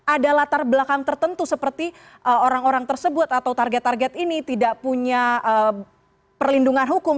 ada latar belakang tertentu seperti orang orang tersebut atau target target ini tidak punya perlindungan hukum